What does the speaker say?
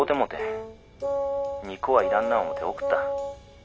２個は要らんな思て送った。